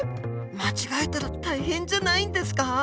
間違えたら大変じゃないんですか？